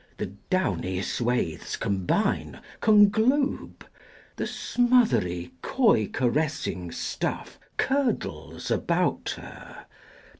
The downy swathes combine, Conglobe, the smothery coy caressing stuff Curdles about her!